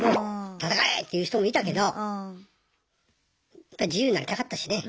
闘え！っていう人もいたけどやっぱ自由になりたかったしね。